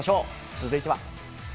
続いては。